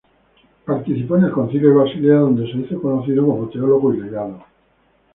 Participó en el Concilio de Basilea, donde se hizo conocido como teólogo y legado.